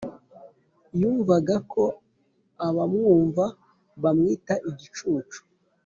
yumvaga ko abamwumva bamwita igicucu?